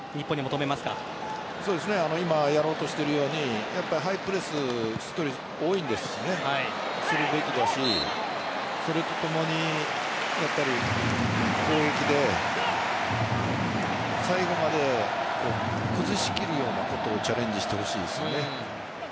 今やろうとしているようにハイプレス、１人多いですしするべきだしそれとともに、やっぱり攻撃で最後まで崩し切るようなことをチャレンジしてほしいですよね。